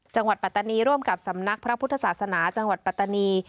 ปัตตานีร่วมกับสำนักพระพุทธศาสนาจังหวัดปัตตานี